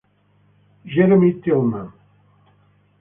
Jerome Tillman